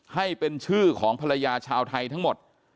ให้เป็นชื่อของภรรยาชาวไทยทั้งหมด